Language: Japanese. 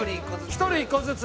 １人１個ずつ。